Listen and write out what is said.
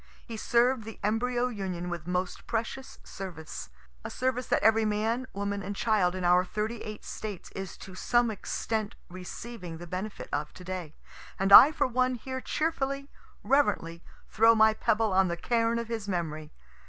He served the embryo Union with most precious service a service that every man, woman and child in our thirty eight States is to some extent receiving the benefit of to day and I for one here cheerfully, reverently throw my pebble on the cairn of his memory.